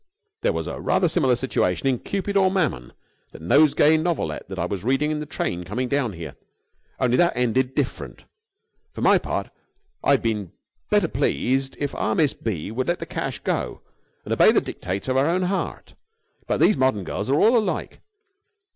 There was a rather similar situation in 'Cupid or Mammon,' that Nosegay Novelette I was reading in the train coming down here, only that ended different. For my part I'd be better pleased if our Miss B. would let the cash go, and obey the dictates of her own heart; but these modern girls are all alike.